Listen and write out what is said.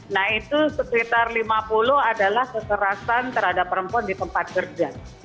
nah itu sekitar lima puluh adalah kekerasan terhadap perempuan di tempat kerja